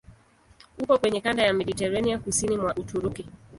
Upo kwenye kanda ya Mediteranea kusini mwa Uturuki.